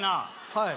はい。